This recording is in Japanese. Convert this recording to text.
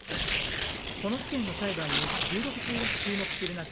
この事件の裁判に中国中が注目する中